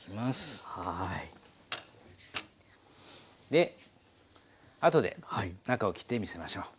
で後で中を切って見せましょう。